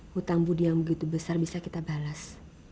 hutang budi yang begitu besar bisa kita balas